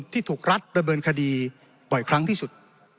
ที่ถูกรัฐประเมินคดีบ่อยครั้งที่สุด